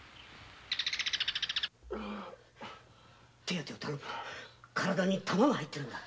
手当てを頼む体に弾が入ってるんだ。